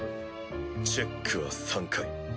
チェックは３回。